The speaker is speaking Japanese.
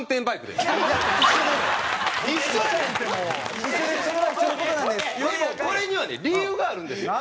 でもこれにはね理由があるんですよ。